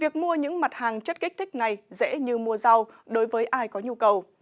còn những mặt hàng chất kích thích này dễ như mùa giàu đối với ai có nhu cầu